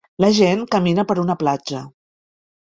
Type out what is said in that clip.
La gent camina per una platja.